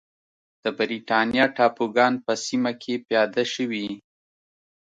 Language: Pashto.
د برېټانیا ټاپوګان په سیمه کې پیاده شوې.